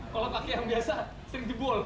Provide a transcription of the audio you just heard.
kalau pakai yang biasa sering dibol